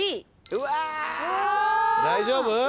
大丈夫！？